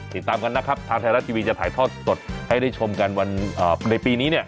ติดตามกันนะครับทางไทยรัฐทีวีจะถ่ายทอดสดให้ได้ชมกันในปีนี้เนี่ย